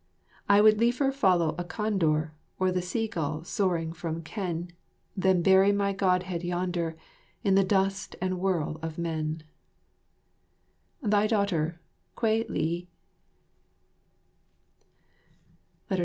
I would liefer follow a condor, Or the sea gull soaring from ken, Than bury my Godhead yonder, In the dust and whirl of men." Thy daughter, Kwei li.